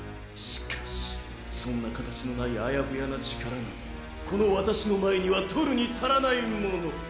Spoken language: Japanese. しかしそんな形のないあやふやな力などこの私の前には取るに足らないもの。